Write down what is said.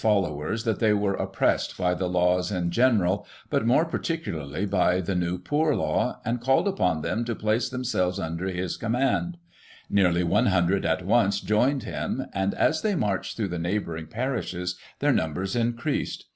[1838 followers that they were oppressed by the lelws in general, but more particulcirly by the new poor law ; and called upon them to place themselves under his command. Nearly 100 at once joined him, and as they meirched through the neigh bouring parishes their niunbers increased.